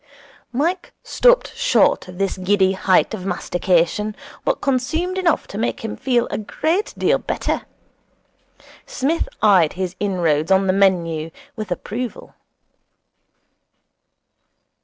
Mike stopped short of this giddy height of mastication, but consumed enough to make him feel a great deal better. Psmith eyed his inroads on the menu with approval.